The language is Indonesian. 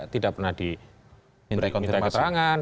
tidak pernah diminta keterangan